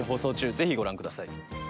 是非ご覧ください。